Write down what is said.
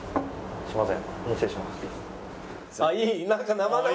すいません。